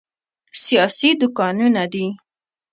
سیاسي دوکانونه دي.